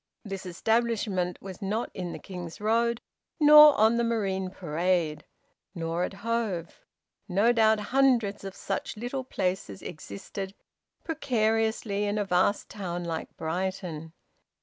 This establishment was not in the King's Road, nor on the Marine Parade, nor at Hove; no doubt hundreds of such little places existed precariously in a vast town like Brighton.